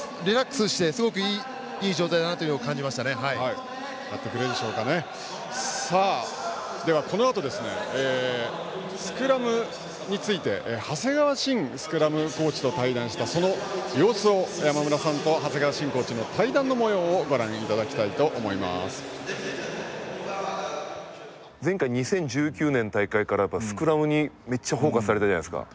リラックスしてすごくいい状態だなというのをこのあとスクラムについて長谷川慎スクラムコーチと対談したその様子を山村さんと長谷川慎コーチの対談のもようを前回、２０１９年の大会からスクラムにめっちゃフォーカスされたじゃないですか。